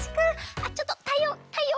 あっちょっと太陽が太陽が！